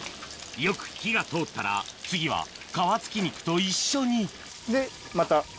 よく火が通ったら次は皮付き肉と一緒にでまた。